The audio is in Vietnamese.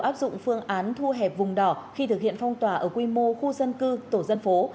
áp dụng phương án thua hẹp vùng đỏ khi thực hiện phong tỏa ở quy mô khu dân cư tổ dân phố